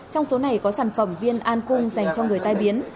trong số này có sản phẩm viên an cung dành cho người tai biến